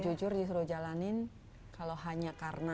jangan jangan saya punya rezeki invece bahwa sampai puan management